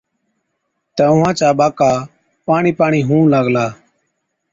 تہ اُونهان چا ٻاڪا پاڻِي پاڻِي هُئُون لاگلا۔